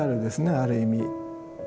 ある意味。